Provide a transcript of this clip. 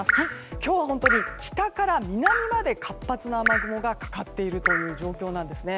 今日は北から南まで活発な雨雲がかかっているという状況です。